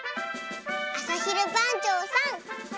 あさひるばんちょうさん。